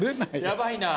やばいな。